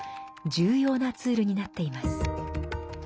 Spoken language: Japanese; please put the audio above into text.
重要なツールになっています。